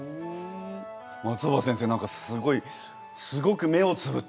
松尾葉先生何かすごいすごく目をつぶってうなずいていますが。